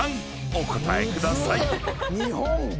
お答えください］